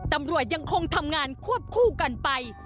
ตำรวจยังคงทำงานควบคู่กันไป